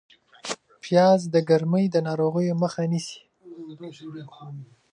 پیاز د ګرمۍ د ناروغیو مخه نیسي